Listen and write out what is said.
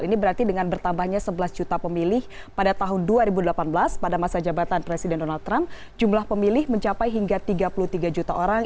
ini berarti dengan bertambahnya sebelas juta pemilih pada tahun dua ribu delapan belas pada masa jabatan presiden donald trump jumlah pemilih mencapai hingga tiga puluh tiga juta orang